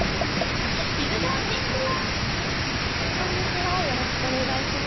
こんにちはよろしくお願いします。